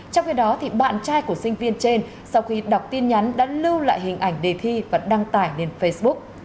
trong khi đó bạn trai của sinh viên trên sau khi đọc tin nhắn đã lưu lại hình ảnh đề thi và đăng tải lên facebook